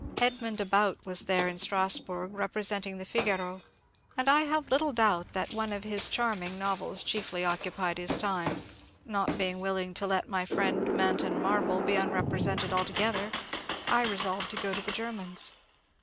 Edmond About was there in Strasburg representing the ^* Figaro," and I have little doubt that one of his charming novels chiefly occupied his time. Not being willing to let my friend Manton Marble be unrepresented altogether, I re solved to go to the Germans.